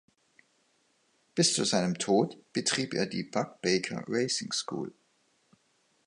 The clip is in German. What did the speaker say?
Bis zu seinem Tod betrieb er die "Buck Baker Racing School".